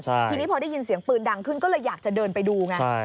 ทีนี้พอได้ยินเสียงปืนดังขึ้นก็เลยอยากจะเดินไปดูไง